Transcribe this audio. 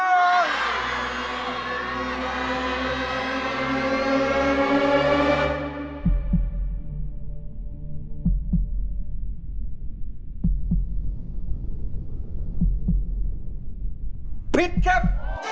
ร้องผิดนะครับ